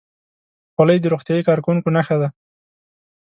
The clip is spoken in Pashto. خولۍ د روغتیايي کارکوونکو نښه ده.